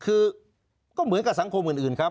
คือก็เหมือนกับสังคมอื่นครับ